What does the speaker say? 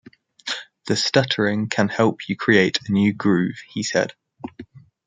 The stuttering can help you create a new groove, he said.